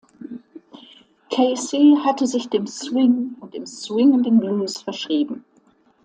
Casey hatte sich dem Swing und dem swingenden Blues verschrieben.